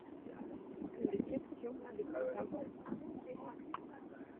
Les questions les plus importantes.